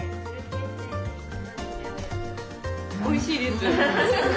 おいしいです。